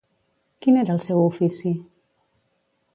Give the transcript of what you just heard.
Quin era el seu ofici?